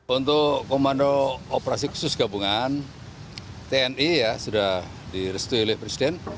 untuk komando operasi khusus gabungan tni sudah direstui oleh presiden